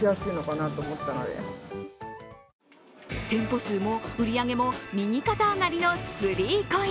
店舗数も売り上げも右肩上がりの３ＣＯＩＮＳ。